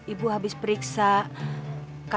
ibu dari mana